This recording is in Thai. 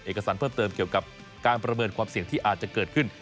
เอกสารเพิ่มเติมเกี่ยวกับการประเมินความเสี่ยงที่อาจจะเกิดขึ้น